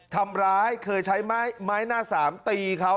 ทำร้ายเคยใช้ไม้หน้าสามตีเขา